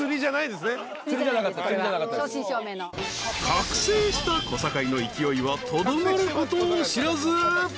［覚醒した小堺の勢いはとどまることを知らず］